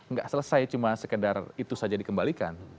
nggak selesai cuma sekedar itu saja dikembalikan